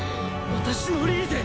私のリーゼ！